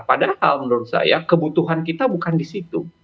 padahal menurut saya kebutuhan kita bukan di situ